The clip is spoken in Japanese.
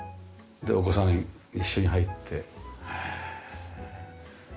でお子さん一緒に入って。